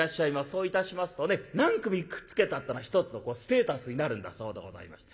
そういたしますとね何組くっつけたってのは一つのステータスになるんだそうでございまして。